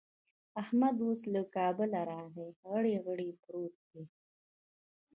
احمد اوس له کابله راغی؛ غړي غړي پروت دی.